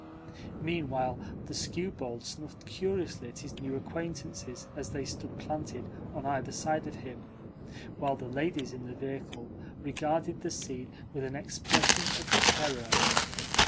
Meanwhile the skewbald snuffed curiously at his new acquaintances as they stood planted on either side of him; while the ladies in the vehicle regarded the scene with an expression of terror.